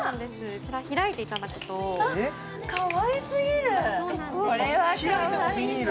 こちら開いていただくとかわいすぎる開いたらビニール？